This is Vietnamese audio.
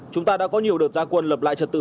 chúng ta đã có nhiều đợt gia quân lập lại trật tự